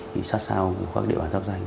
thì sát sao các địa bàn giáp danh